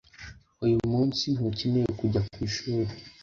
Uyu munsi ntukeneye kujya ku ishuri